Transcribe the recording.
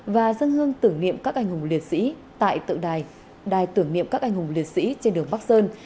và dân hương tưởng niệm các anh hùng liệt sĩ tại tượng đài đài tưởng niệm các anh hùng liệt sĩ trên đường bắc sơn